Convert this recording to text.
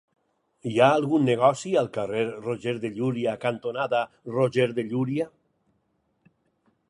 Hi ha algun negoci al carrer Roger de Llúria cantonada Roger de Llúria?